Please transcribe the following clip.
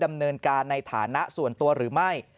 ดำเนินการในฐานะส่วนตัวหรือไม่